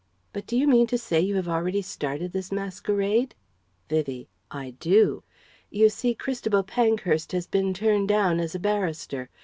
But do you mean to say you have already started this masquerade?" Vivie: "I do. You see Christabel Pankhurst has been turned down as a barrister.